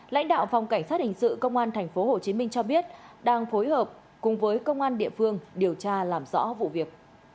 lãnh đạo phòng cảnh sát hình sự công an tp hcm cho biết đang phối hợp cùng với công an địa phương điều tra làm rõ vụ việc